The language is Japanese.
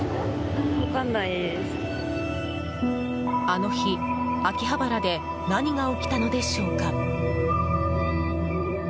あの日、秋葉原で何が起きたのでしょうか？